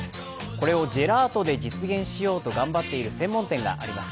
これをジェラートで実現しようと頑張っている専門店があります。